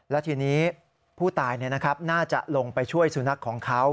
และทีนี้ผู้ตายน่าจะลงไปช่วยสุนัขของเขา